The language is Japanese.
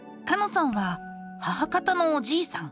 さんは母方のおじいさん